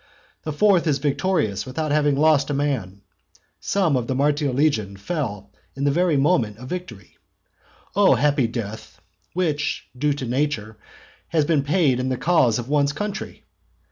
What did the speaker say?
The fourth is victorious without having lost a man; some of the martial legion fell in the very moment of victory. Oh happy death, which, due to nature, has been paid in the cause of one's country!